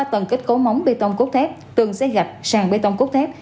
ba tầng kết cấu móng bê tông cốt thép tường xe gạch sàn bê tông cốt thép